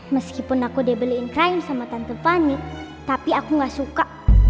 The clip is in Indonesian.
meskipun aku udah beliin krayon sama tante fanny tapi aku gak suka